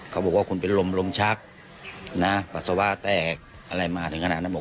เขาบอกว่าคุณเป็นลมลมชักนะปัสสาวะแตกอะไรมาถึงขนาดนั้นบอก